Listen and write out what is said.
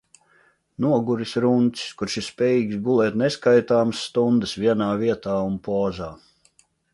Noguris runcis, kurš ir spējīgs gulēt neskaitāmas stundas vienā vietā un pozā.